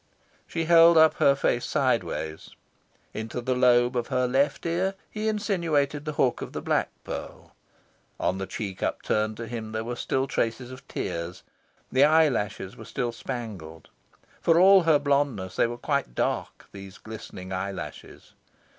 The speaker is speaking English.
She held up her face side ways. Into the lobe of her left ear he insinuated the hook of the black pearl. On the cheek upturned to him there were still traces of tears; the eyelashes were still spangled. For all her blondness, they were quite dark, these glistening eyelashes.